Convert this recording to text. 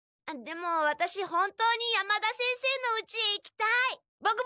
でもワタシ本当に山田先生のおうちへ行きたい！